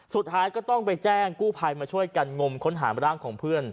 สุดท้ายก็ต้องไปแจ้งกู้ภัยมาช่วยกันงมค้นหาร่างของเพื่อน